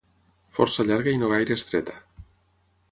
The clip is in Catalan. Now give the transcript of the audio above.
força llarga i no gaire estreta